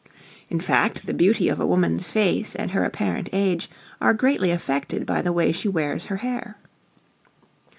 In fact, the beauty of a woman's face and her apparent age are greatly affected by the way she wears her hair.